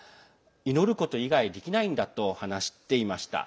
祈ること以外できないんだと話していました。